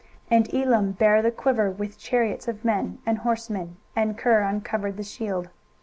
23:022:006 And Elam bare the quiver with chariots of men and horsemen, and Kir uncovered the shield.